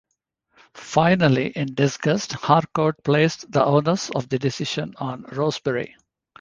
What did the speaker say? Finally in disgust Harcourt placed the onus of the decision on Rosebery.